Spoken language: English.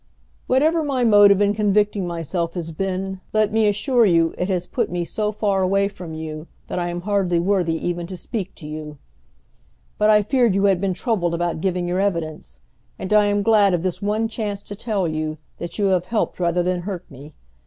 "Whatever my motive in convicting myself has been, let me assure you it has put me so far away from you that I am hardly worthy even to speak to you. But I feared you had been troubled about giving your evidence, and I am glad of this one chance to tell you that you have helped rather than hurt me.